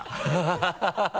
ハハハ